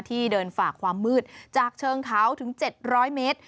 ที่เดินฝากความมืดจากเชิงเขาถึง๗๐๐เมตร